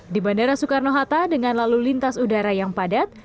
di bandara soekarno hatta dengan lalu lintas udara yang padat